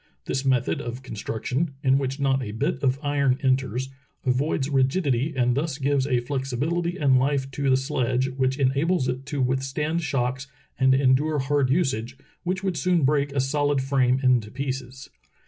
This method of construc tion, in which not a bit of iron enters, avoids rigidity and thus gives a flexibility and life to the sledge which enables it to withstand shocks and endure hard usage, which would soon break a solid frame into pieces.